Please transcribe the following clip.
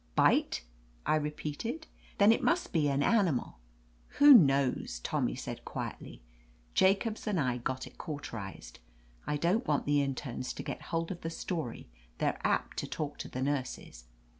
"Bite!" I repeated. "Then it must be an animal — I" "Who knows?" Tommy said quietly* "Ja cobs and I got it cauterized. I don't want the internes to get hold of the story — ^they're apt to talk to the nurses.